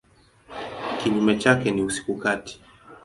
Kinyume chake ni usiku kati.